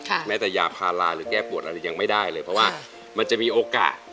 แม้แต่ยาพาราหรือแก้ปวดอะไรยังไม่ได้เลยเพราะว่ามันจะมีโอกาส